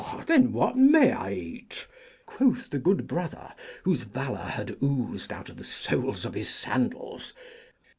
'Then what may I eat?' quoth the good Brother, whose valour had oozed out of the soles of his sandals.